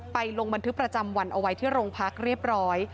ลงบันทึกประจำวันเอาไว้ที่โรงพักเรียบร้อย